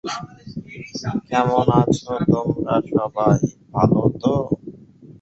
সরকারের রূপ ছিল সনাতন রাজতন্ত্র।